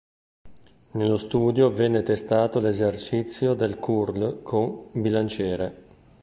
Nello studio venne testato l'esercizio del "curl" con bilanciere.